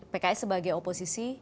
pks sebagai oposisi